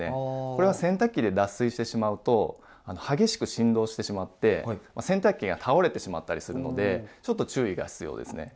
これは洗濯機で脱水してしまうと激しく振動してしまって洗濯機が倒れてしまったりするのでちょっと注意が必要ですね。